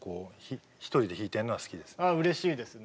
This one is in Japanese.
うれしいですね。